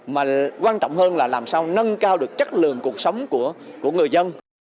mà quan trọng hơn là làm sao nâng cao được chất lượng cuộc sống của người dân